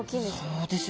そうですね。